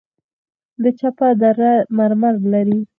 د چپه دره مرمر لري